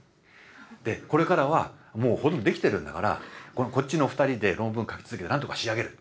で「これからはもうほとんどできてるんだからこっちの２人で論文を書き続けて何とか仕上げる」。